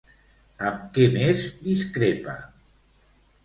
Amb què més discrepa?